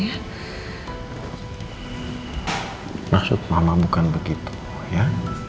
kamu pasti akan bisa melakukannya